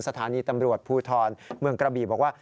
สถานีตำรวจภูทรเมืองกระบีบอกว่า